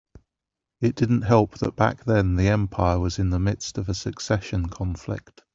It didn't help that back then the empire was in the midst of a succession conflict.